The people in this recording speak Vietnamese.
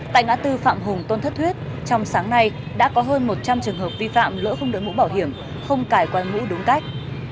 tại ngã tư phạm hùng tôn thất thuyết trong sáng nay đã có hơn một trăm linh trường hợp vi phạm lỡ không đợi mũ bảo hiểm không cải quanh ngũ đúng cách